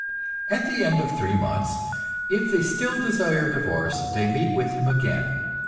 At the end of three months, if they still desire a divorce, they meet with him again.